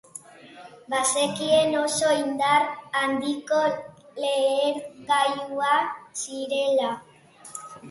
Bazekien oso indar handiko lehergailuak zirela.